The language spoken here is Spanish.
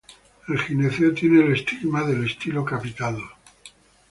El gineceo tiene el estigma del estilo capitado.